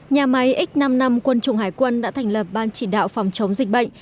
nhà máy x năm mươi năm quân chủng hải quân đã thành lập ban chỉ đạo phòng chống dịch bệnh